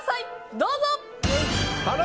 どうぞ。